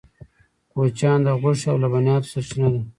کوچیان د غوښې او لبنیاتو سرچینه ده